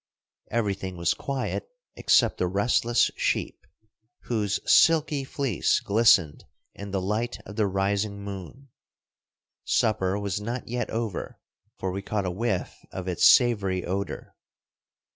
Everything was quiet except the restless sheep, whose silky fleece glistened in the light of the rising moon. Supper was not yet over, for we caught a whiff of its savory odor.